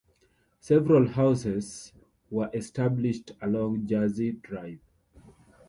Several houses were established along Jersey Drive.